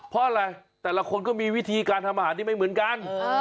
เพราะอะไรแต่ละคนก็มีวิธีการทำอาหารที่ไม่เหมือนกัน